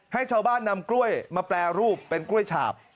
ให้ชาวบ้านนำกล้วยมาแปรรูปเป็นกล้วยฉาบ